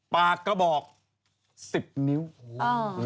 ปากกระบอก๑๐นิ้ว